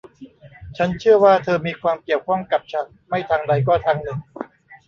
ฉันเชื่อว่าเธอมีความเกี่ยวข้องกับฉันไม่ทางใดก็ทางหนึ่ง